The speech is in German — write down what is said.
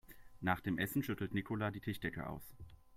Nach dem Essen schüttelt Nicola die Tischdecke aus.